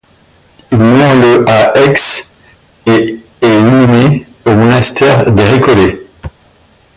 Il meurt le à Aix, et est inhumé au monastère des Récollets.